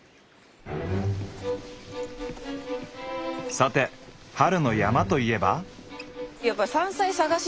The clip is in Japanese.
さて春の山といえば。